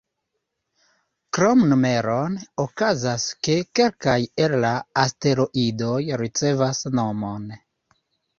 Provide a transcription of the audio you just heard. Krom numeron, okazas, ke kelkaj el la asteroidoj ricevas nomon.